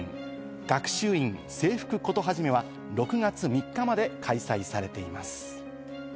「学習院制服事始」は６月３日まで開催されています。